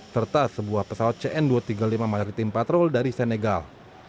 serta sebuah pesawat cn dua ratus tiga puluh lima maritim patrol dari senegal